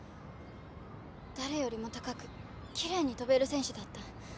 誰よりも高く奇麗に跳べる選手だった。